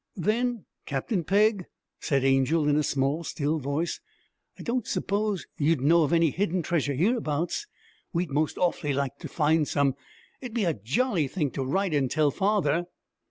Then 'Captain Pegg,' said Angel, in a still small voice, 'I don't s'pose you'd know of any hidden treasure hereabouts? We'd most awfully like to find some. It'd be a jolly thing to write and tell father!'